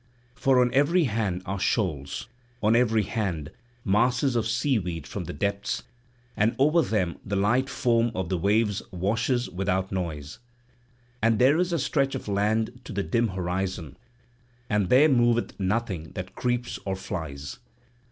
For on every hand are shoals, on every hand masses of seaweed from the depths; and over them the light foam of the wave washes without noise; and there is a stretch of sand to the dim horizon; and there moveth nothing that creeps or flies.